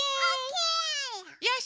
よし！